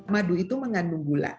madu itu mengandung gula